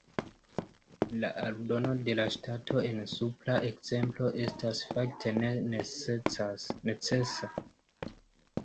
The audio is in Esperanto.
La aldono de la ŝtato en supra ekzemplo estas fakte ne necesa.